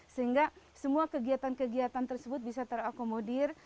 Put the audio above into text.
sehingga semua kegiatan kegiatan tersebut bisa terakomodir